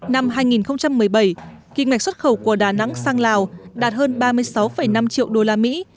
năm hai nghìn một mươi bảy kim ngạch xuất khẩu của đà nẵng sang lào đạt hơn ba mươi sáu năm triệu đô la mỹ